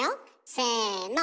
せの！